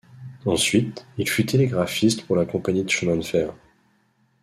Ensuite, il fut télégraphiste pour la compagnie de chemins de fer.